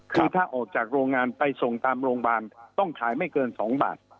คือถ้าออกจากโรงงานไปส่งตามโรงพยาบาลต้องขายไม่เกิน๒บาท